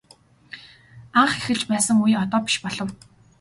Анх эхэлж байсан үе одоо биш болов.